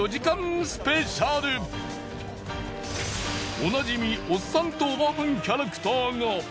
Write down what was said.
おなじみおっさんとおばはんキャラクターが。